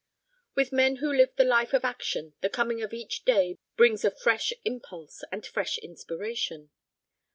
With men who live the life of action the coming of each new day brings a fresh impulse and fresh inspiration.